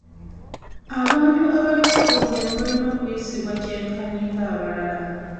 Abantu abaliko obulemu balina okuyisibwa kyenkanyi ng'abalala.